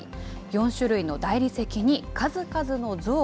４種類の大理石に数々の像。